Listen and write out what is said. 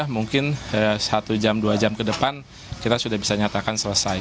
mungkin satu jam dua jam ke depan kita sudah bisa nyatakan selesai